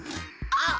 あっ！